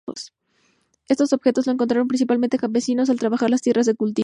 Estos objetos los encontraron principalmente campesinos, al trabajar las tierras de cultivo.